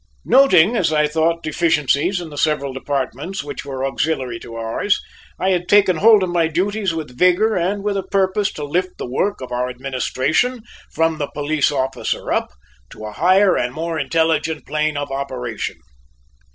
Noting, as I thought, deficiencies in the several departments which were auxiliary to ours, I had taken hold of my duties with vigor and with a purpose to lift the work of our administration, from the police officer up, to a higher and more intelligent plane of operation.